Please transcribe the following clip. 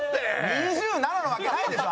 ２７のわけないでしょ